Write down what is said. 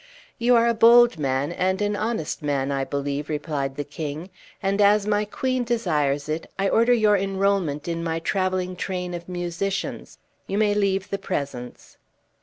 "You are a bold man, and an honest man, I believe," replied the king; "and as my queen desires it, I order your enrollment in my traveling train of musicians. You may leave the presence."